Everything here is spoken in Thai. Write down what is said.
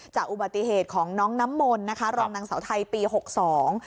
จากอุบัติเหตุของน้องน้ำมนต์นะคะรองนางเสาไทยปีหกสอง